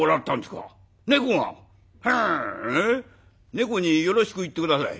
猫によろしく言って下さい」。